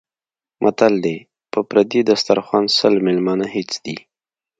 متل دی: په پردي دسترخوان سل مېلمانه هېڅ دي.